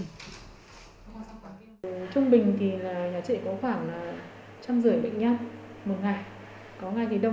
trung bình thì nhà trị có khoảng một trăm năm mươi